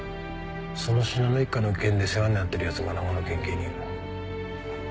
その信濃一家の件で世話になってる奴が長野県警にいる。